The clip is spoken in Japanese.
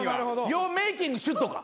ユアメイキングシュとか。